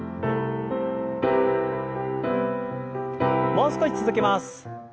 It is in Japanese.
もう少し続けます。